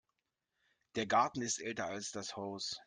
Der Garten ist älter als das Haus.